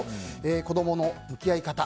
子供の向き合い方。